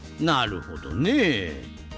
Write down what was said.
なるほどねえ。